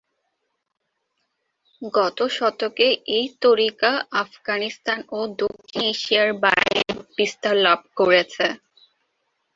গত শতকে এই তরিকা আফগানিস্তান ও দক্ষিণ এশিয়ার বাইরে বিস্তার লাভ করেছে।